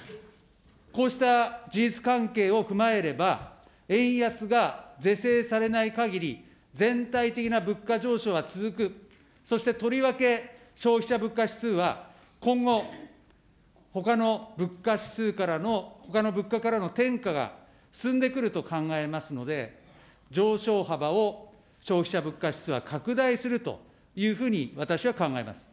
こうした事実関係を踏まえれば、円安が是正されないかぎり、全体的な物価上昇は続く、そしてとりわけ消費者物価指数は今後、ほかの物価指数からの、ほかの物価からの転嫁が進んでくると考えますので、上昇幅を消費者物価指数は拡大するというふうに私は考えます。